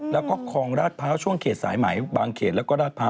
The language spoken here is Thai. แล้วก็คลองราชพร้าวช่วงเขตสายไหมบางเขตแล้วก็ราชพร้า